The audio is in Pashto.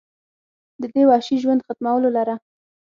د دې وحشي ژوند ختمولو لره